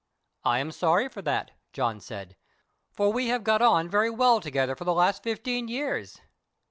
"I am sorry for that," John said, "for we have got on very well together for the last fifteen years.